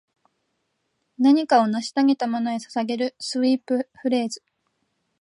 何かを成し遂げたものへ捧げるスウィープフレーズ